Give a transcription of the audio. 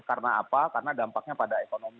karena apa karena dampaknya pada ekonomi